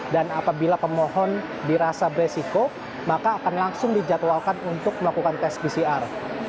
dan apabila pemohon dirasa beresiko maka akan langsung dijadwalkan untuk melakukan tes pcr